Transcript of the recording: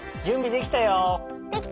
できたよ！